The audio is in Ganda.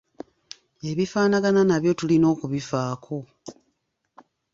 Ebifaanagana nabyo tulina okubifaako.